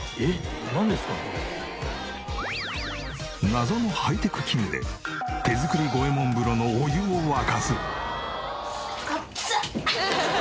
謎のハイテク器具で手作り五右衛門風呂のお湯を沸かす！